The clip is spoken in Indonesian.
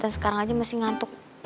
dan sekarang aja masih ngantuk banget mas